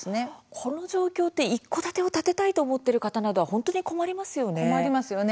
この状況って一戸建てを建てたいと思っている方は困りますね。